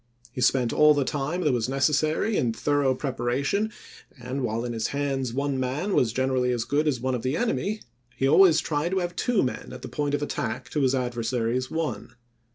He spent all the time that was nec essary in thorough preparation, and, while in his hands one man was generally as good as one of the enemy, he always tried to have two men at the point of attack to his adversary's one.